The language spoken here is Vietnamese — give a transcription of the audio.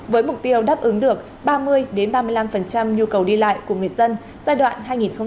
với mục tiêu đáp ứng được ba mươi ba mươi năm nhu cầu đi lại của nguyên dân giai đoạn hai nghìn hai mươi hai nghìn hai mươi năm